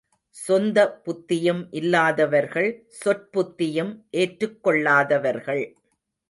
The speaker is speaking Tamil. சொந்த புத்தியும் இல்லாதவர்கள், சொற்புத்தியும் ஏற்றுக்கொள்ளாதவர்கள்.